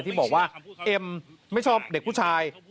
ที่บอกว่าเอ็มไม่ชอบเด็กผู้ชาย